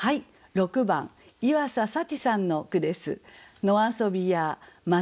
６番湯浅さちさんの句です。